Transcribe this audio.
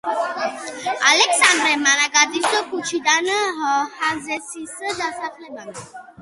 ალექსანდრე მანაგაძის ქუჩიდან ზაჰესის დასახლებამდე.